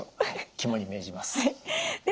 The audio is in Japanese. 肝に銘じます。